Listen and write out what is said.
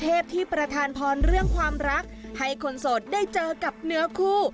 ที่ประธานพรเรื่องความรักให้คนโสดได้เจอกับเนื้อคู่